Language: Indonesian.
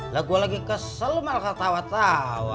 lagu lagi kesel malah ketawa tawa